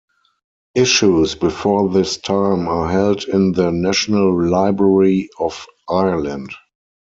Issues before this time are held in the National Library of Ireland.